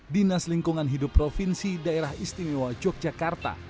dinas lingkungan hidup provinsi daerah istimewa yogyakarta